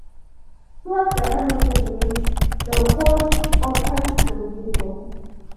Towards the end of the meal, the host opens the window.